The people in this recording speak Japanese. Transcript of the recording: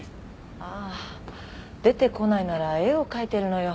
ああ出てこないなら絵を描いてるのよ。